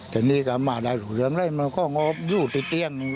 แต่นี่ก็ได้รู้เรื่องล่ก่อนยุดติดเตี้ยง